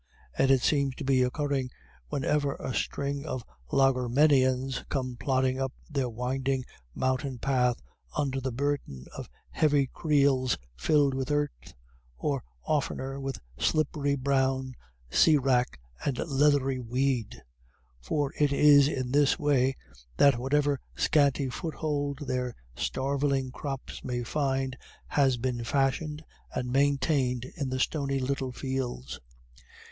And it seems to be occurring whenever a string of Laraghmenians come plodding up their winding mountain path under the burden of heavy creels filled with earth, or oftener with slippery brown sea wrack and leathery weed. For it is in this way that whatever scanty foothold their starveling crops may find, has been fashioned and maintained in the stony little fields.